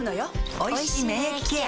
おいしい免疫ケア